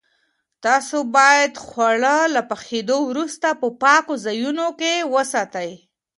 تاسو باید خواړه له پخېدو وروسته په پاکو ځایونو کې وساتئ.